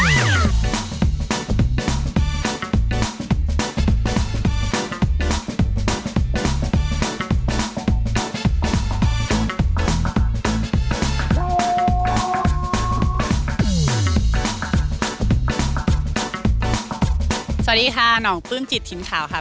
สวัสดีค่ะน้องปลื้มจิตทีมข่าวค่ะ